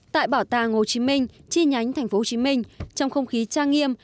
tại bảo tàng hồ chí minh chi nhánh thành phố hồ chí minh trong không khí trang nghiêm